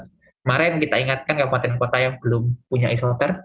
kemarin kita ingatkan kabupaten kota yang belum punya isoter